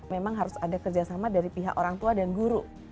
memang harus ada kerjasama dari pihak orang tua dan guru